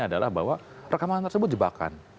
adalah bahwa rekaman tersebut jebakan